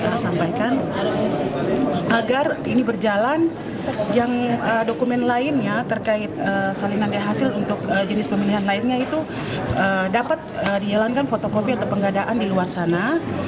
saya sampaikan agar ini berjalan yang dokumen lainnya terkait salinan hasil untuk jenis pemilihan lainnya itu dapat dijalankan fotokopi atau pengadaan di luar sana